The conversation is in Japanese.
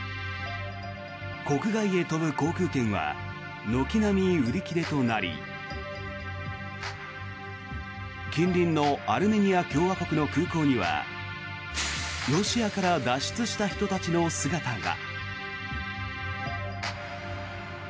国外へ飛ぶ航空券は軒並み売り切れとなり近隣のアルメニア共和国の空港にはロシアから脱出した人たちの姿が。